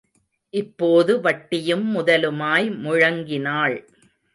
இப்போது வட்டியும் முதலுமாய் முழங்கினாள்.